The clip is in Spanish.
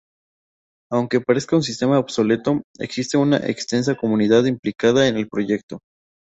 Aunque parezca un sistema obsoleto, existe una extensa comunidad implicada en el proyecto.